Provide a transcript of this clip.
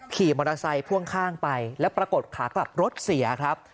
ขี่มอเตอร์ไซค์พ่วงข้างไปแล้วปรากฏขากลับรถเสียครับ